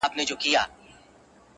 • دا چي تاسي راته وایاست دا بکواس دی..